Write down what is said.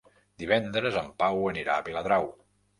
Divendres en Pau anirà a Viladrau.